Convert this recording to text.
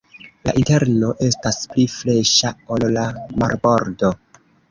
La interno estas pli freŝa ol la marbordo.